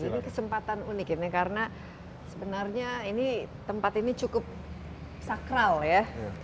ini kesempatan unik ini karena sebenarnya ini tempat ini cukup sakral ya